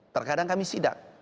terkadang kami sidak